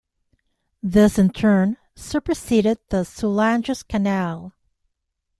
This in turn superseded the Soulanges Canal.